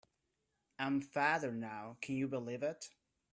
I am father now, can you believe it?